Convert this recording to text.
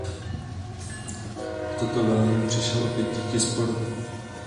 O toto velení přišel opět díky sporu.